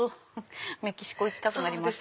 メキシコ行きたくなりました。